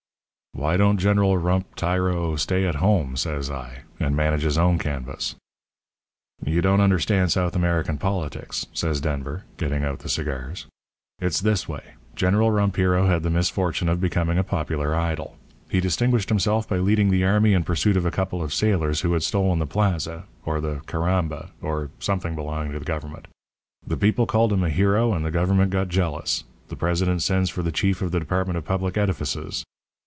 "'Why don't General Rumptyro stay at home,' says I, 'and manage his own canvass?' "'You don't understand South American politics,' says Denver, getting out the cigars. 'It's this way. General Rompiro had the misfortune of becoming a popular idol. He distinguished himself by leading the army in pursuit of a couple of sailors who had stolen the plaza or the carramba, or something belonging to the government. The people called him a hero and the government got jealous. The president sends for the chief of the Department of Public Edifices.